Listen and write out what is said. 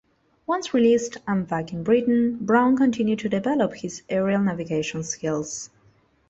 Once released and back in Britain, Brown continued to develop his aerial navigation skills.